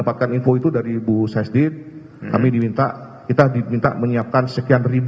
pak idil yang bisa menjelaskan